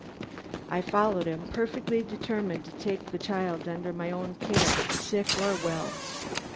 I followed him, perfectly determined to take the child under my own care, sick or well.